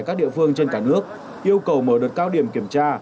các địa phương trên cả nước yêu cầu mở đợt cao điểm kiểm tra